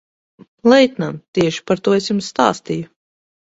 Leitnant, tieši par to es jums stāstīju.